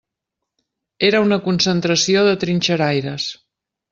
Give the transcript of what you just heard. Era una concentració de trinxeraires.